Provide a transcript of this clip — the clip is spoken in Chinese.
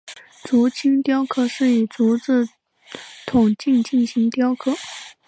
竹青雕刻是以竹子筒茎进行雕刻。